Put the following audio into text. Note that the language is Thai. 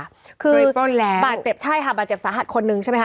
โดยปล้นแล้วคือบาดเจ็บใช่ค่ะบาดเจ็บสาหัสคนนึงใช่ไหมคะ